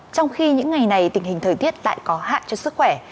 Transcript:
trong khi những ngày này tình hình thời tiết lại có hại cho sức khỏe